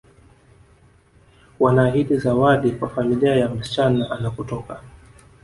Wanaahidi zawadi kwa familia ya msichana anakotoka